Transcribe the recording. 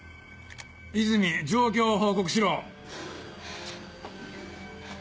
和泉状況を報告しろ。